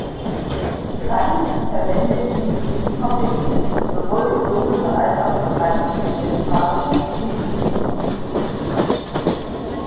Kant verwendet den Begriff ›Topik‹ sowohl in logischer als auch in transzendentaler Hinsicht.